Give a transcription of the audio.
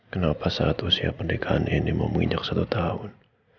kenapa saat usia pendekaan ini memunyak satu tahun